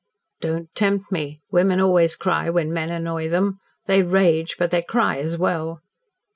"Don't tempt me. Women always cry when men annoy them. They rage, but they cry as well."